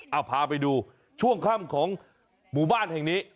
เอาพาไปดูช่วงค่ำของหมู่บ้านแห่งนี้